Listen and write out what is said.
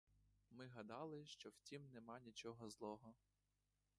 Ми гадали, що в тім нема нічого злого.